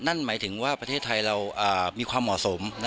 นั่นหมายถึงว่าประเทศไทยเรามีความเหมาะสม